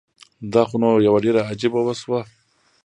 دا خو نو ډيره عجیبه وشوه